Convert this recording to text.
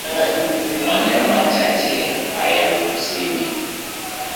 Maneno machache hayaruhusiwi